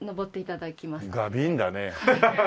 ガビーンだね。